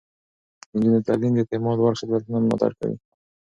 د نجونو تعليم د اعتماد وړ خدمتونه ملاتړ کوي.